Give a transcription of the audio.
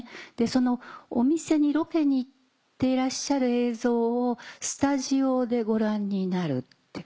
そのお店にロケに行ってらっしゃる映像をスタジオでご覧になるって。